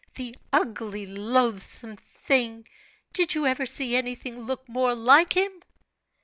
The ugly, loathsome thing! Did you ever see anything look more like him?"